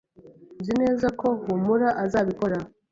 Nzi neza ko Humura azabikora.